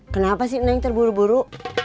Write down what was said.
kenapa sih neng terburu buru